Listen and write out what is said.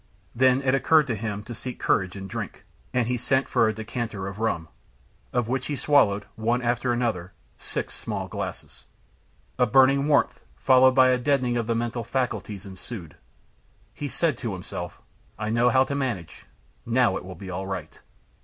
Then it occurred to him to seek courage in drink, and he sent for a decanter of rum, of which he swallowed, one after another, six small glasses. A burning warmth, followed by a deadening of the mental faculties, ensued. He said to himself: "I know how to manage. Now it will be all right!"